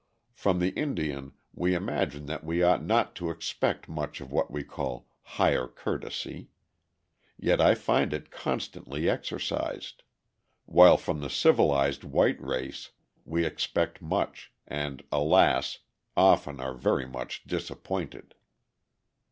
From the Indian we imagine that we ought not to expect much of what we call "higher courtesy," yet I find it constantly exercised; while from the civilized white race we expect much, and, alas! often are very much disappointed.